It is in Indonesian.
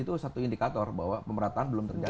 itu satu indikator bahwa pemerataan belum terjadi